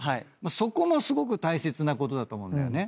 そこもすごく大切なことだと思うんだよね。